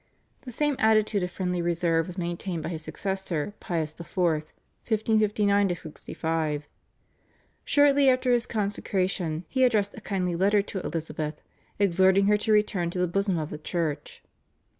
The same attitude of friendly reserve was maintained by his successor Pius IV. (1559 65). Shortly after his consecration he addressed a kindly letter to Elizabeth exhorting her to return to the bosom of the Church.